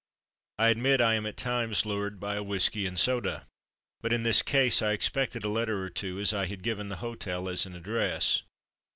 '' I admit I am at times lured by a whisky and soda, but in this case I expected a letter or two as I had given the hotel as an address.